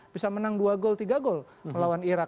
bisa menang dua gol tiga gol melawan irak